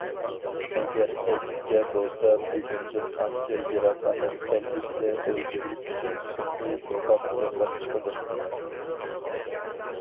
ئەگەر ئەكسىچە بولسا بۈگۈندىن ئانچە يىراق ئەمەس كەلگۈسىدە ئۆزلىرى ئۈچۈن سۈنئىي دوقاق ياساپ چىقىدۇ.